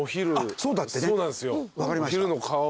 そうなんですよ。